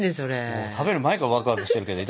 もう食べる前からワクワクしてるけど。